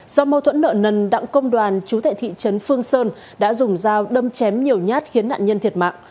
do mâu thuẫn nợ nần đặng công đoàn chú tại thị trấn phương sơn đã dùng dao đâm chém nhiều nhát khiến nạn nhân thiệt mạng